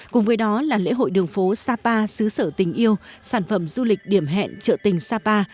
cùng với đó là lễ hội đường phố sapa xứ sở tình yêu sản phẩm du lịch điểm hẹn trợ tình sapa